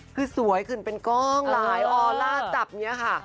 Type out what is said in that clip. คือสวยขึ้นเป็นกล้องหลายออลล่าจับอย่างนี้ค่ะ